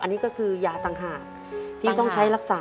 อันนี้ก็คือยาต่างหากที่ต้องใช้รักษา